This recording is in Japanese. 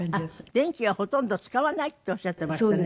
電気はほとんど使わないっておっしゃってましたね